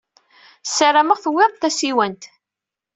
Ssarameɣ tewwid-d tasiwant.